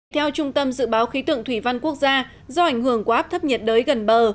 theo trung tâm dự báo khí tượng thủy văn quốc gia do ảnh hưởng của áp thấp nhiệt đới gần bờ